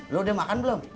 lo udah makan belum